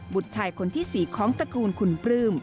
ชายคนที่๔ของตระกูลคุณปลื้ม